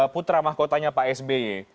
putra mahkotanya pak sby